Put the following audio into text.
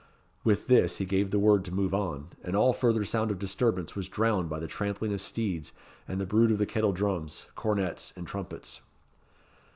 With this, he gave the word to move on, and all further sound of disturbance was drowned by the trampling of steeds and the bruit of the kettle drums, cornets, and trumpets.